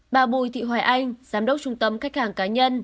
bà bùi thị hoài anh giám đốc trung tâm khách hàng cá nhân